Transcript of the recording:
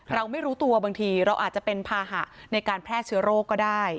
เราไม่รู้ตัวบางทีเราอาจจะเป็นภาหะในการแพร่เชื้อโรคก็ได้